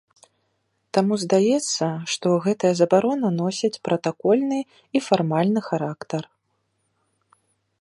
Таму здаецца, што гэтая забарона носіць пратакольны і фармальны характар.